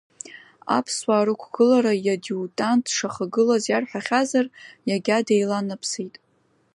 Аԥсуаа рықәгылара иадиутант дшахагылаз иарҳәахьазар, иагьа деиланаԥсеит.